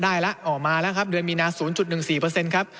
ได้แล้วออกมาแล้วครับเดือนมีนา๐๑๔เปอร์เซ็นต์ครับ